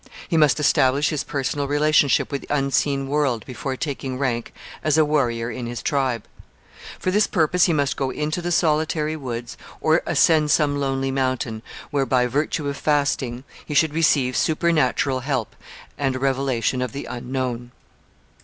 He must establish his personal relationship with the unseen world before taking rank as a warrior in his tribe. For this purpose he must go into the solitary woods or ascend some lonely mountain, where, by virtue of fasting, he should receive supernatural help and a revelation of the unknown.